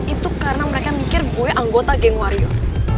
itu karena mereka mikir gue anggota geng warrior